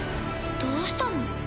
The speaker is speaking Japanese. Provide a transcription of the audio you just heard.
どうしたの？